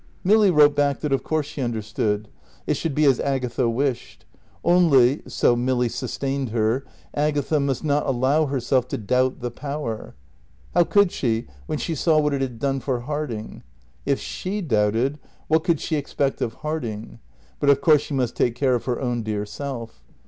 Milly wrote back that of course she understood. It should be as Agatha wished. Only (so Milly "sustained" her) Agatha must not allow herself to doubt the Power. How could she when she saw what it had done for Harding. If she doubted, what could she expect of Harding? But of course she must take care of her own dear self.